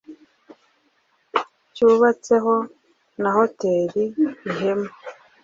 cyubatseho na Hoteri Ihema,